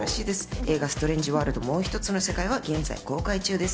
映画『ストレンジ・ワールド／もうひとつの世界』は現在公開中です。